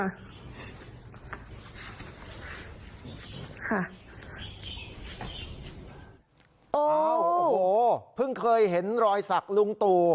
โอ้โหเพิ่งเคยเห็นรอยสักลุงตู่